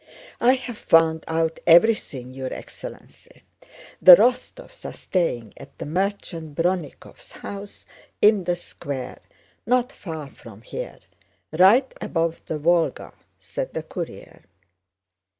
"I have found out everything, your excellency: the Rostóvs are staying at the merchant Brónnikov's house, in the Square not far from here, right above the Vólga," said the courier.